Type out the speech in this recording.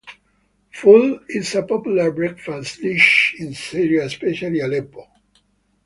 Ful is a popular breakfast dish in Syria, especially Aleppo.